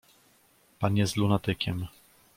"Pan jest lunatykiem."